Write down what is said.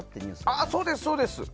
ああ、そうです、そうです。